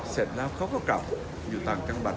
เสร็จแล้วเขาก็กลับอยู่ต่างจังหวัด